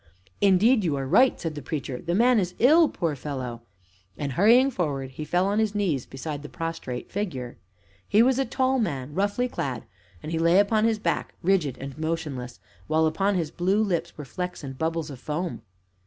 "Indeed, you are right," said the Preacher; "the man is ill poor fellow!" And, hurrying forward, he fell on his knees beside the prostrate figure. He was a tall man, roughly clad, and he lay upon his back, rigid and motionless, while upon his blue lips were flecks and bubbles of foam.